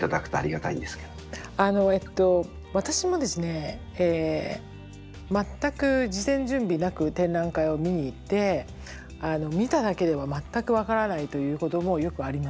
あのえっと私もですね全く事前準備なく展覧会を見に行って見ただけでは全く分からないということもよくあります。